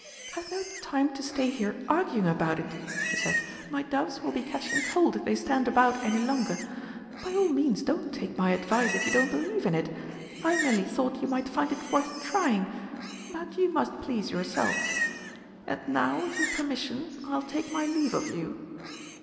"I've no time to stay here arguing about it," she said; "my doves will be catching cold if they stand about any longer. By all means don't take my advice if you don't believe in it; I merely thought you might find it worth trying but you must please yourself. And now, with your permission, I'll take my leave of you."